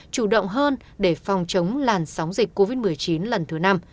chủ động hơn để phòng chống làn sóng dịch covid một mươi chín lần thứ năm